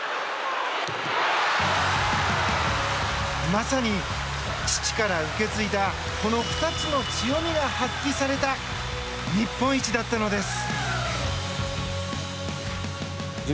まさに父から受け継いだこの２つの強みが発揮された日本一だったのです。